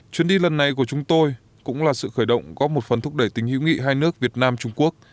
chuyến đi lần này của chúng tôi cũng là sự khởi động góp một phần thúc đẩy tình hữu nghị hai nước việt nam trung quốc